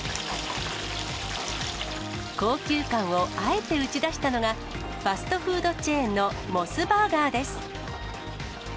高級感をあえて打ち出したのが、ファストフードチェーンのモスバーガーです。